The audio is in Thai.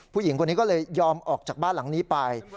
ผู้หญิงคนนี้ก็เลยยอมออกจากบ้านหลังนี้ไป